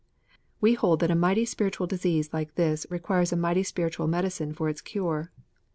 We hold that a mighty spiritual disease like this requires a mighty spiritual medicine for its cure.